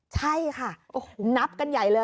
ใช่ค่ะนับกันใหญ่เลย